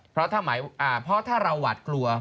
เพราะถ้าเราหวาดกลัว